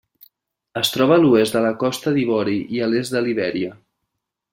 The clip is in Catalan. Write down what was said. Es troba a l'oest de la Costa d'Ivori i a l'est de Libèria.